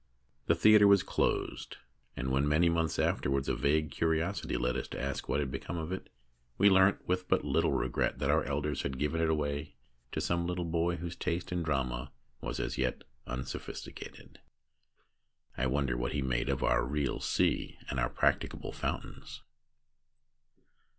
The theatre was closed, and when, many months afterwards, a vague curiosity led us to ask what had become of it, we 48 THE DAY BEFORE YESTERDAY learnt with but little regret that our elders had given it away to some little boy whose taste in drama was as yet unsophisticated. I wonder what he made of our real sea and our practicable fountains